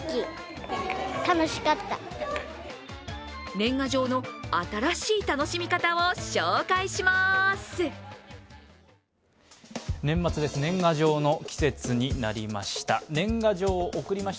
年賀状の新しい楽しみ方を紹介します！